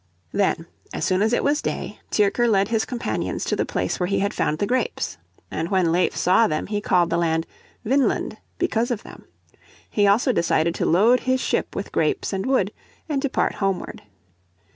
Then, as soon as it was day, Tyrker led his companions to the place where he had found the grapes. And when Leif saw them he called the land Vineland because of them. He also decided to load his ship with grapes and wood, and depart homeward.